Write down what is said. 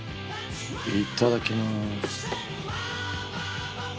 いただきます。